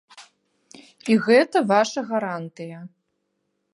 І гэта ваша гарантыя.